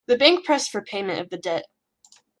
The bank pressed for payment of the debt.